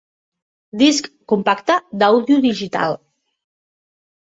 Disc compacte d'àudio digital.